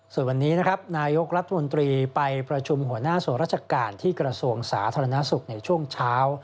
ส่วนวันนี้นะครับนายกรัฐมนตรีไปประชุมหัวหน้าส่วนราชการที่กระทรวงสาธารณสุขในช่วงเช้า